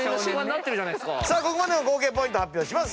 ここまでの合計ポイント発表します。